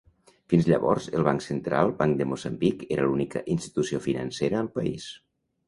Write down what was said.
Fins llavors el banc central Banc de Moçambic era l'única institució financera al país.